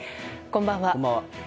こんばんは。